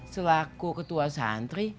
selaku ketua santri